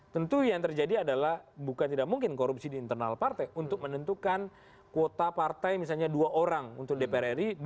tentu yang terjadi adalah bukan tidak mungkin korupsi di internal partai untuk menentukan kuota partai misalnya dua orang untuk dpr ri